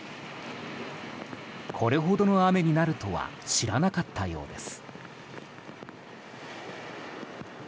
これほどの雨になるとは知らなかったようです。